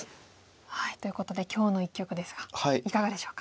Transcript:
ということで今日の一局ですがいかがでしょうか？